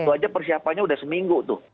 itu aja persiapannya udah seminggu tuh